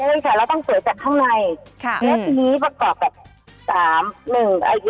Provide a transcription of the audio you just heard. เราต้องทั่วจากข้างในและทีนี้ประกอบแบบ๓